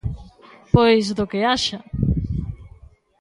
Pois, do que haxa...